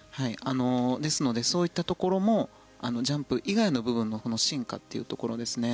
ですので、そういったところもジャンプ以外の部分の進化というところですね。